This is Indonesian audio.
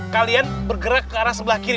kalian bergerak ke arah sebelah kiri